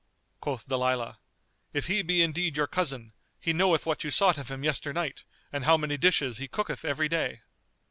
Quoth Dalilah, "If he be indeed your cousin, he knoweth what you sought of him yesternight[FN#239] and how many dishes he cooketh every day."